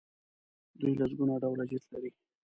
دوی لسګونه ډوله جیټ لري.